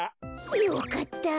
よかった。